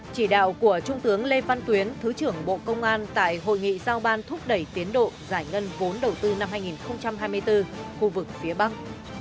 chỉ đạo của trung tướng lê văn tuyến thứ trưởng bộ công an tại hội nghị giao ban thúc đẩy tiến độ giải ngân vốn đầu tư năm hai nghìn hai mươi bốn khu vực phía băng